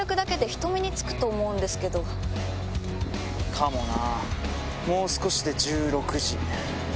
かもな。